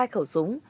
hai khẩu súng